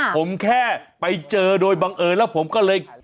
ผมแค่ไปเจอโดยบังเอิญแล้วผมก็เลย